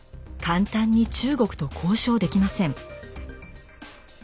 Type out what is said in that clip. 簡単に中国と交渉できません。